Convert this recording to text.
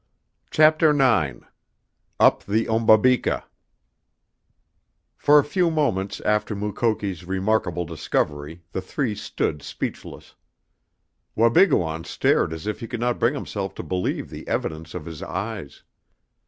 CHAPTER IX UP THE OMBABIKA For a few moments after Mukoki's remarkable discovery the three stood speechless. Wabigoon stared as if he could not bring himself to believe the evidence of his eyes.